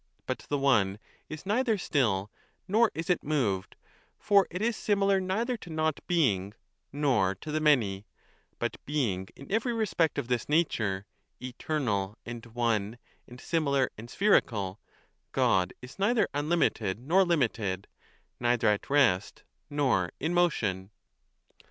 But the One is neither still nor is it moved ; for it is similar neither to Not being nor to the Many ; but being in every respect of this nature eternal and one and similar and spherical God is neither unlimited nor limited, 20 neither at rest nor in motion.